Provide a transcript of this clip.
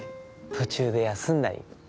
途中で休んだり。